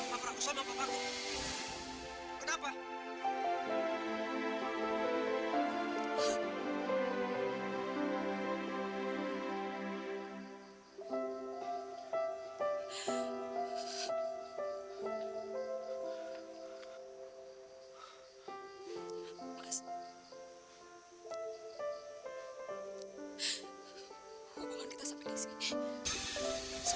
apa aku sama bapakku